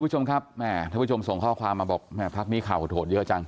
คุณผู้ชมครับแม่ท่านผู้ชมส่งข้อความมาบอกแม่พักนี้ข่าวโหดเยอะจัง